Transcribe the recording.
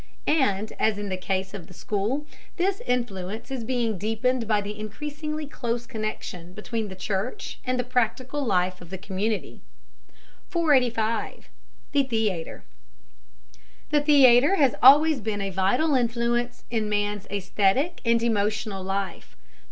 And as in the case of the school, this influence is being deepened by the increasingly close connection between the church and the practical life of the community. 485. THE THEATER. The theatre has always been a vital influence in man's aesthetic and emotional life.